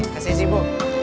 kasih isi bu